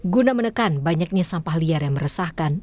guna menekan banyaknya sampah liar yang meresahkan